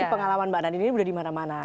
tapi pengalaman mbak dan ini sudah dimana mana